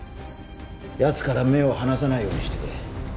奴から目を離さないようにしてくれ。